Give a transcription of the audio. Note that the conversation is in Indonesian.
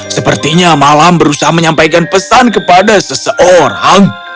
sepertinya malam berusaha menyampaikan pesan kepada seseorang